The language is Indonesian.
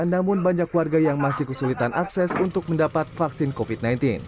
namun banyak warga yang masih kesulitan akses untuk mendapat vaksin covid sembilan belas